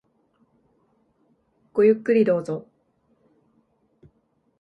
ごゆっくりどうぞ。